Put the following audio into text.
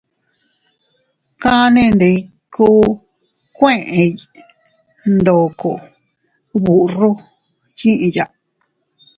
Kannindiku kueʼey ndoko burro yiʼya.